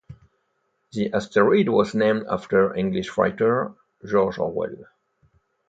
The asteroid was named after English writer George Orwell.